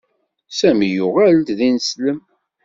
Sami yuɣal-d d ineslem.